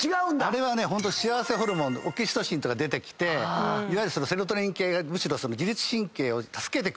あれはね幸せホルモンのオキシトシンとか出てきていわゆるセロトニン系がむしろ自律神経を助けてくれる。